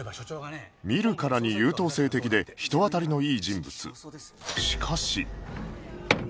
見るからに優等生的で人当たりのいい人物